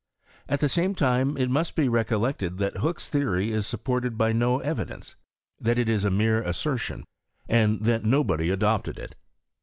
At the Bamo time il must be recollected that Hook'a theory it tiipptirtcd by no evidence; that it is a mere ■iwrtjon, and that nobody adopted it.